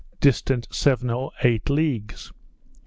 distant seven or eight leagues.